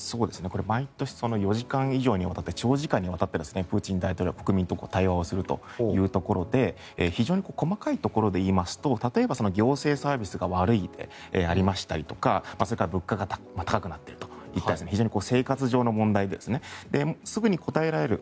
これは毎年４時間以上にわたって長時間にわたってプーチン大統領国民と対話をするというところで非常に細かいところでいいますと例えば、行政サービスが悪いとかそれから物価が高くなっているといった非常に生活上の問題ですぐに答えられる